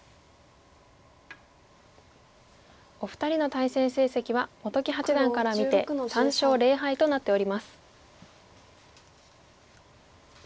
お二人の対戦成績は本木八段から見て３勝０敗となっております。